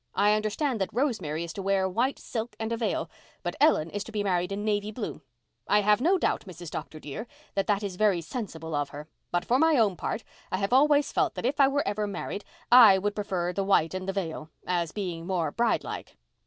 I understand that Rosemary is to wear white silk and a veil, but Ellen is to be married in navy blue. I have no doubt, Mrs. Dr. dear, that that is very sensible of her, but for my own part I have always felt that if I were ever married I would prefer the white and the veil, as being more bride like."